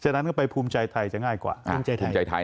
ฉะนั้นควรไปภูมิใจไทยจะง่ายกว่า